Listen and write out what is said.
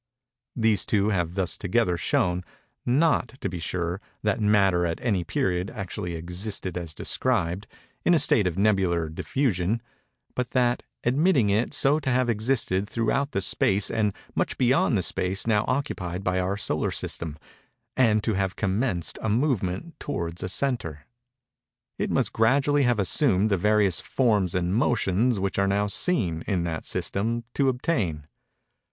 These two have thus together shown—not, to be sure, that Matter at any period actually existed as described, in a state of nebular diffusion, but that, admitting it so to have existed throughout the space and much beyond the space now occupied by our solar system, and to have commenced a movement towards a centre—it must gradually have assumed the various forms and motions which are now seen, in that system, to obtain.